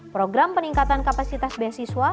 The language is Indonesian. program peningkatan kapasitas beasiswa